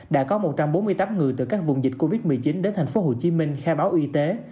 đã có một trăm bốn mươi tám người từ các vùng dịch covid một mươi chín đến tp hcm khai báo y tế